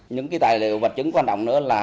những tài liệu vật chứng quan trọng nữa là